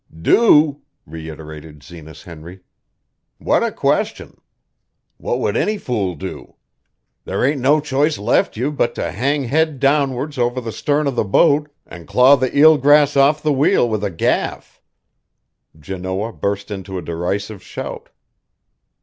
"Do?" reiterated Zenas Henry. "What a question! What would any fool do? There ain't no choice left you but to hang head downwards over the stern of the boat an' claw the eel grass off the wheel with a gaff." Janoah burst into a derisive shout.